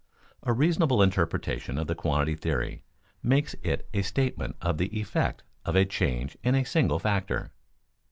_A reasonable interpretation of the quantity theory makes it a statement of the effect of a change in a single factor.